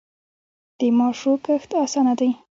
د ماشو کښت اسانه دی.